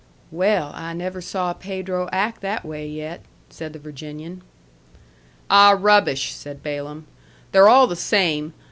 "Well, I never saw Pedro act that way yet," said the Virginian. "Ah, rubbish!" said Balaam. "They're all the same.